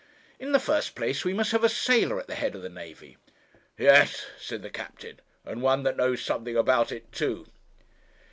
In the first place, we must have a sailor at the head of the navy.' 'Yes,' said the captain, 'and one that knows something about it too.'